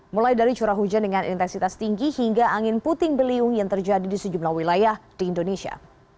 mulai dari curah hujan dengan intensitas tinggi hingga angin puting beliung yang terjadi di sejumlah wilayah di indonesia